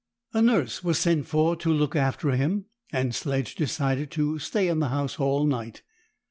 A nurse was sent for to look after him, and Sledge decided to stay in the house all night.